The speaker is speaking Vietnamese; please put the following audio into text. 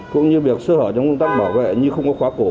cũng như việc sơ hở trong công tác bảo vệ như không có khóa cổ